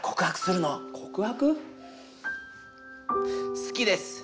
好きです。